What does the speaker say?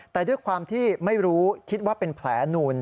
แต่ด้วยความที่ไม่รู้คิดว่าเป็นแผลนูน